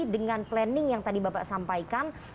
dengan planning yang tadi bapak sampaikan